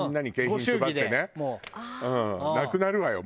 なくなるわよ